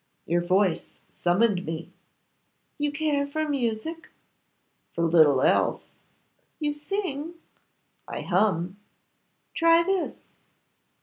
'Your voice summoned me.' 'You care for music?' 'For little else.' 'You sing?' 'I hum.' 'Try this.